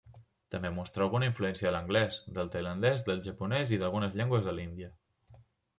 També mostra alguna influència de l'anglès, del tailandès, del japonès i d'algunes llengües de l'Índia.